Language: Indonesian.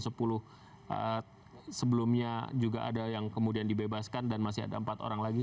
sebelumnya juga ada yang kemudian dibebaskan dan masih ada empat orang lagi